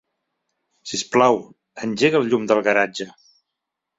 Sisplau, engega el llum del garatge.